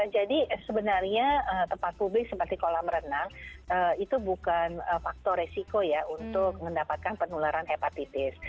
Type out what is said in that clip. jadi sebenarnya tempat publik seperti kolam renang itu bukan faktor risiko ya untuk mendapatkan penularan hepatitis